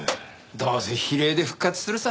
どうせ比例で復活するさ。